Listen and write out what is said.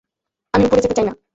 আমি উপরে যেতে চাই না।